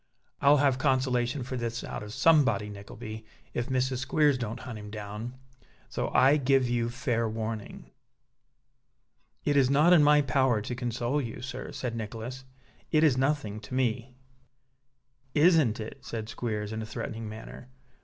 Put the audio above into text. "I'll have consolation for this out of somebody, Nickleby, if Mrs. Squeers don't hunt him down. So I give you fair warning." "It is not in my power to console you, sir," said Nicholas. "It is nothing to me." "Isn't it?" said Squeers, in a threatening manner.